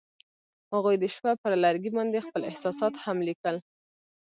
هغوی د شپه پر لرګي باندې خپل احساسات هم لیکل.